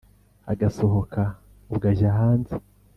agasohoka ubw' ajyá hanzé